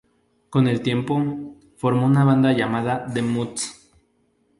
Con el tiempo, formó una banda llamada The Mods.